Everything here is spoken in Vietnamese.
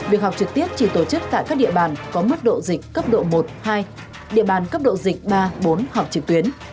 việc học trực tiếp chỉ tổ chức tại các địa bàn có mức độ dịch cấp độ một hai địa bàn cấp độ dịch ba bốn học trực tuyến